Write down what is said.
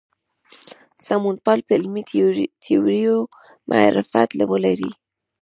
سمونپال په علمي تیوریو معرفت ولري.